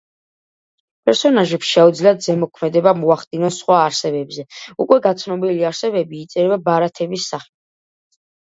პერსონაჟებს შეუძლიათ ზემოქმედება მოახდინონ სხვა არსებებზე, უკვე გაცნობილი არსებები იწერება ბარათების სახით.